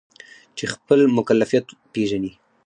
چې خپل مکلفیت پیژني.